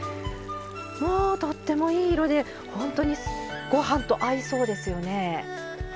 もうとってもいい色で本当にご飯と合いそうですよね。